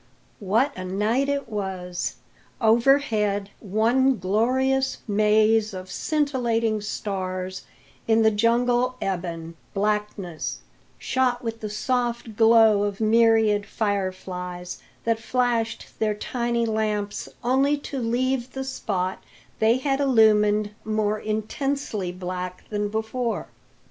What a night it was! Overhead one glorious; maze of scintillating stars; in the jungle ebon: blackness, shot with the soft glow of myriad fireflies, that flashed their tiny lamps only to leave the spot they had illumined more intensely black than before.